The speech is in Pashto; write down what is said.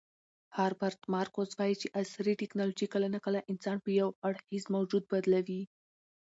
هربرت مارکوز وایي چې عصري ټیکنالوژي کله ناکله انسان په یو اړخیز موجود بدلوي.